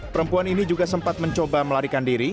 perempuan ini juga sempat mencoba melarikan diri